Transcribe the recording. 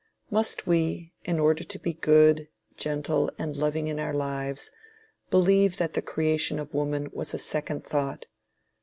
Must we, in order to be good, gentle and loving in our lives, believe that the creation of woman was a second thought?